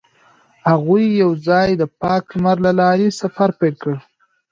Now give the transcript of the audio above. هغوی یوځای د پاک لمر له لارې سفر پیل کړ.